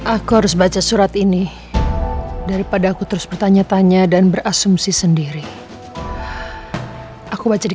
aku harus baca surat ini daripada aku terus bertanya tanya dan berasumsi sendiri aku baca di